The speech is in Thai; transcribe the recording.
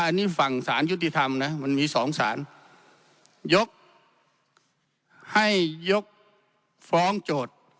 อันนี้ฝั่งสารยุติธรรมนะมันมีสองสารยกให้ยกฟ้องโจทย์